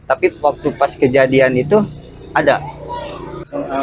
tapi waktu pas kejadian itu ya aku pilih peggy itu apa lagi